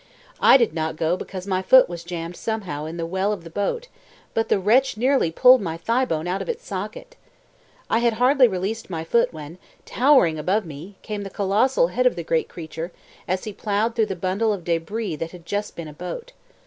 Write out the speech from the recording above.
I did not go because my foot was jammed somehow in the well of the boat, but the wrench nearly pulled my thighbone out of its socket. I had hardly released my foot when, towering above me, came the colossal head of the great creature, as he ploughed through the bundle of débris that had just been a boat.